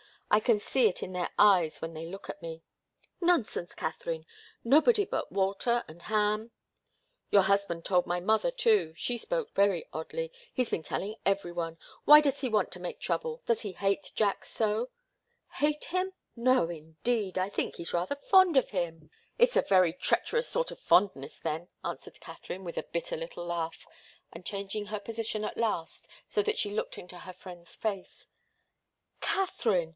"I can see it in their eyes when they look at me." "Nonsense, Katharine nobody but Walter and Ham " "Your husband told my mother, too. She spoke very oddly. He's been telling every one. Why does he want to make trouble? Does he hate Jack so?" "Hate him? No, indeed! I think he's rather fond of him " "It's a very treacherous sort of fondness, then," answered Katharine, with a bitter little laugh, and changing her position at last, so that she looked into her friend's face. "Katharine!"